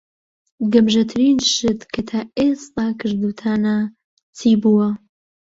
گەمژەترین شت کە تا ئێستا کردووتانە چی بووە؟